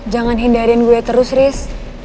jangan hindari gue terus riz